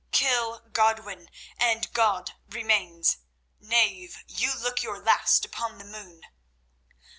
Kill Godwin and God remains. Knave, you look your last upon the moon."